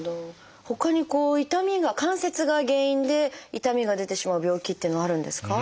ほかに痛みが関節が原因で痛みが出てしまう病気っていうのはあるんですか？